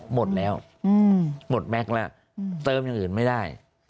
หมดแล้วหมดแม็กซ์แล้วเติมอย่างอื่นไม่ได้